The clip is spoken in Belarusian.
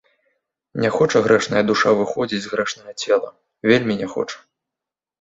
Не хоча грэшная душа выходзіць з грэшнага цела, вельмі не хоча.